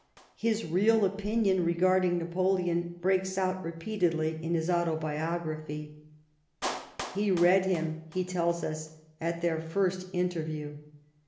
His real opinion regarding Napoleon breaks out repeatedly in his Autobiography. He read 2 20 LIFE OF PBINCE METTEBNICE. him, he tells us, <at their first interview.